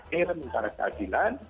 yang betul betul mencerminkan sebuah keadilan